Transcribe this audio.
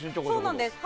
そうなんです。